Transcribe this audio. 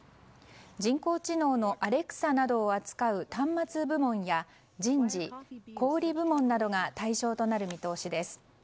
人工知能のアレクサなどを扱う端末部門や人事、小売部門などが対象となる見通しです。